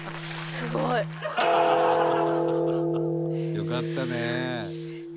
「よかったね」